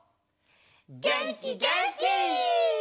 げんきげんき！